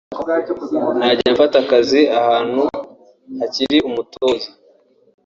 ntajya mfata akazi ahantu hakiri umutoza